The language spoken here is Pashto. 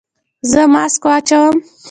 ایا زه ماسک واچوم؟